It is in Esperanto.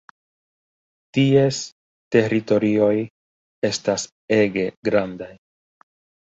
Ties teritorioj estas ege grandaj.